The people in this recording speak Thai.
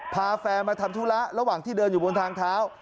พาแฟนมาทำธุระระหว่างที่เดินอยู่บนทางเท้า